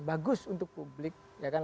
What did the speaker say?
bagus untuk publik ya kan